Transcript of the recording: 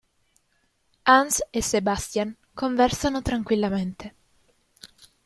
Hans e Sebastian conversano tranquillamente.